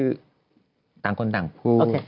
คือต่างคนต่างผู้